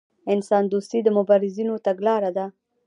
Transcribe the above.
انسان دوستي د مبارزینو تګلاره ده.